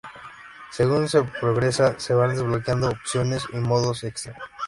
Según se progresa, se van desbloqueando opciones y modos extra.